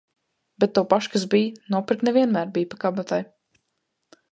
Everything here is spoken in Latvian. Bet to pašu, kas bija, nopirkt ne vienmēr bija pa kabatai.